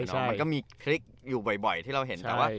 มันก็มีคลิกอยู่บ่อยที่เราเห็น